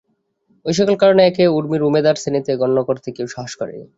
এই-সকল কারণে ওকে ঊর্মির উমেদার-শ্রেণীতে গণ্য করতে কেউ সাহস করে নি।